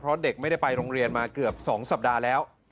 เพราะเด็กไม่ได้ไปโรงเรียนมาเกือบ๒สัปดาห์แล้ว